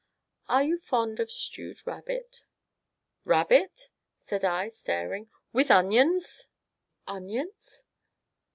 "Are you fond of stewed rabbit?" "Rabbit!" said I, staring. "With onions!" "Onions?"